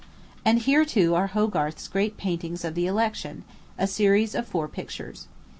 And here, too, are Hogarth's great paintings of the Election a series of four pictures.